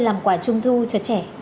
làm quà trung thu cho trẻ